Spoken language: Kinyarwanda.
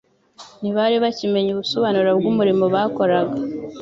ntibari bakimenya ubusobanuro bw'umurimo bakoraga.